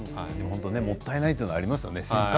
もったいないというのがありますよね。